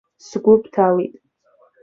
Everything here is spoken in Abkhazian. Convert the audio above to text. Сгәы бҭалеит.